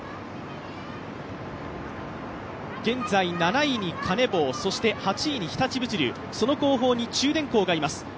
現在７位にカネボウ、８位に日立物流、その後方に中電工がいます。